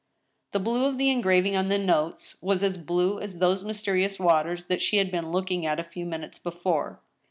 The blue of the engrav ing on the notes was as blue as those mysterious waters that she had been looking at a few minutes before.